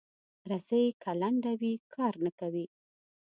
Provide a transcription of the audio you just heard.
رسۍ که لنډه وي، کار نه کوي.